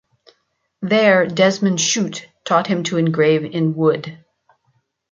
There Desmond Chute taught him to engrave in wood.